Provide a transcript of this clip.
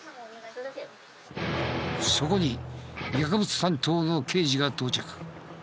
そこに薬物担当の刑事が到着。